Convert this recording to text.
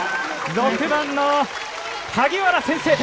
６番の萩原、先制点！